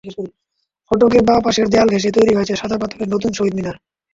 ফটকের বাঁ পাশের দেয়াল ঘেঁষে তৈরি হয়েছে সাদা পাথরের নতুন শহীদ মিনার।